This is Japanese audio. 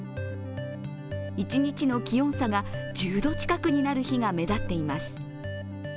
一日の気温差が１０度近くになる日が目立っています。